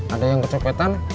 ada yang kecopetan